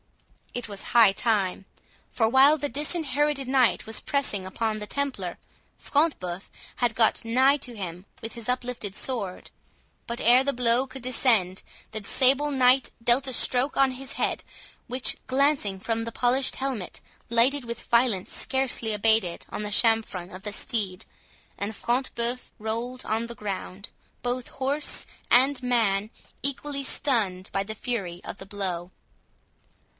It was high time; for, while the Disinherited Knight was pressing upon the Templar, Front de Bœuf had got nigh to him with his uplifted sword; but ere the blow could descend, the Sable Knight dealt a stroke on his head, which, glancing from the polished helmet, lighted with violence scarcely abated on the "chamfron" of the steed, and Front de Bœuf rolled on the ground, both horse and man equally stunned by the fury of the blow.